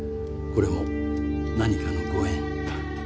これも何かのご縁